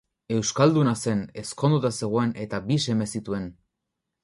Euskalduna zen, ezkonduta zegoen eta bi seme zituen.